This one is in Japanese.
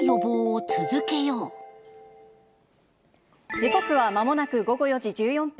時刻はまもなく午後４時１４分。